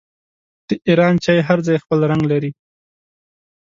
د ایران چای هر ځای خپل رنګ لري.